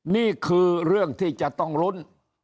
นี่คือเรื่องที่จะต้องลุ้น